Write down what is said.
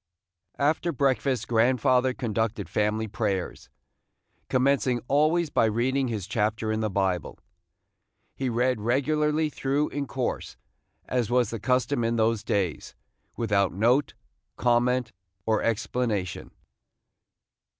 After breakfast grandfather conducted family prayers, commencing always by reading his chapter in the Bible. He read regularly through in course, as was the custom in those days, without note, comment, or explanation.